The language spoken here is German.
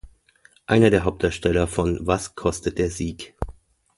Einer der Hauptdarsteller von "Was kostet der Sieg?